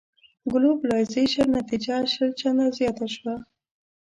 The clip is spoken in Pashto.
ګلوبلایزېشن نتيجه شل چنده زياته شوه.